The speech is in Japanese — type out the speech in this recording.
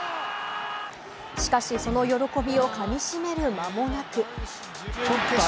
しかし、その喜びを噛みしめる間もなく。